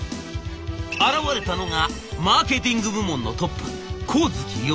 現れたのがマーケティング部門のトップ上月洋。